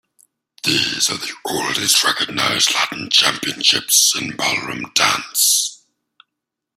These are the oldest recognised Latin championships in ballroom dance.